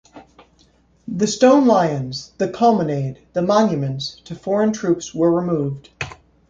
The stone lions, the columnade, the monuments to foreign troops were removed.